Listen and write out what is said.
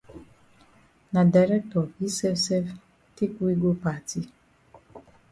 Na dirctor yi sef sef take we go party.